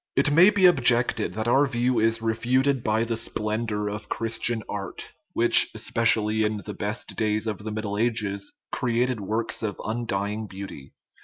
It may be objected that our view is refuted by the splendor of Christian art, which, especially in the best days of the Middle Ages, created works of undying beauty.